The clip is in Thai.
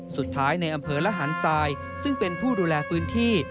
สุดท้ายในอำเภอระหันทรายซึ่งเป็นผู้ดูแลพื้นที่